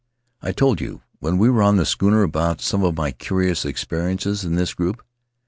... I told you, when we were on the schooner, about some of my curious experiences in this group.